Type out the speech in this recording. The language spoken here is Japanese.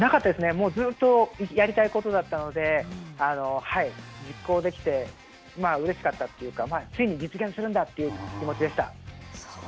もう、ずっとやりたいことだったので、実行できてうれしかったというか、ついに実現するんだという気持ちでした。